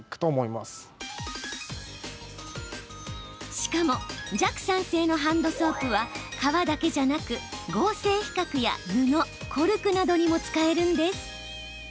しかも、弱酸性のハンドソープは革だけじゃなく、合成皮革や布コルクなどにも使えるんです。